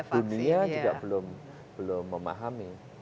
dunia juga belum memahami